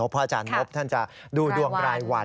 พระอาจารย์นบท่านจะดูดวงรายวัน